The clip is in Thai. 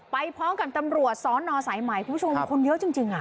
ไปพร้อมกับตำรัวซ้อนนอสายไมค์คุณผู้ชมคนเยอะจริงจริงอ่ะ